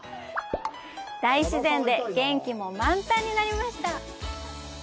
大自然で元気も満タンになりました！